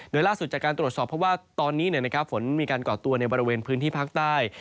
โดยล่าสุดจากการตรวจสอบเพราะว่าตอนนี้ฝนมีการก่อตัวในบริเวณพื้นที่ภาคใต้